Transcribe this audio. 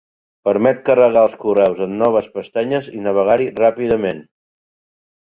Permet carregar els correus en noves pestanyes i navegar-hi ràpidament.